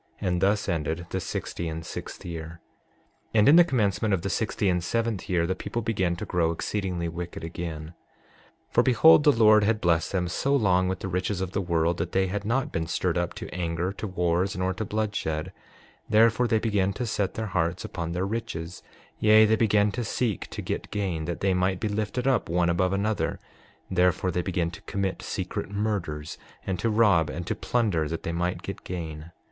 And thus ended the sixty and sixth year. 6:16 And in the commencement of the sixty and seventh year the people began to grow exceedingly wicked again. 6:17 For behold, the Lord had blessed them so long with the riches of the world that they had not been stirred up to anger, to wars, nor to bloodshed; therefore they began to set their hearts upon their riches; yea, they began to seek to get gain that they might be lifted up one above another; therefore they began to commit secret murders, and to rob and to plunder, that they might get gain.